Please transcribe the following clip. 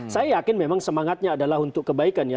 saya yakin memang semangatnya adalah untuk kebaikan ya